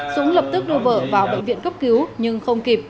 dũng lập tức đưa vợ vào bệnh viện cấp cứu nhưng không kịp